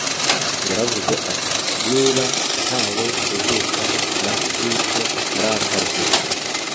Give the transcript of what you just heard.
yaravuze ati: “niba ntawe uzuka, na kristo ntarakazuka,